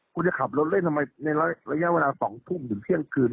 กูจะขับรถเล่นทำไมในระยะเวลา๒ทุ่มจนเมื่อกาทิ้งคืน